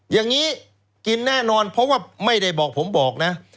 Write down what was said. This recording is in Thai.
อย่างนี้กินแน่นอนเพราะว่าไม่ได้บอกผมบอกนะ